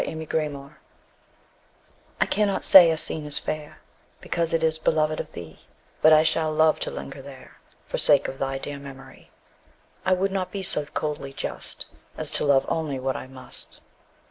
IMPARTIALITY I cannot say a scene is fair Because it is beloved of thee But I shall love to linger there, For sake of thy dear memory; I would not be so coldly just As to love only what I must.